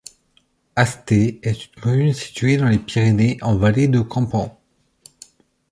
Asté est une commune située dans les Pyrénées en vallée de Campan.